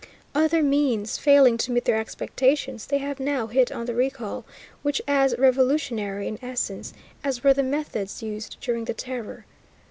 Other means failing to meet their expectations, they have now hit on the recall, which is as revolutionary in essence as were the methods used during the Terror.